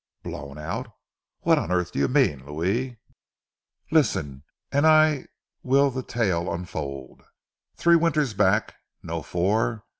"Blown out! What on earth do you mean, Louis?" "Listen and I veel the tale unfold. Tree winters back, no four!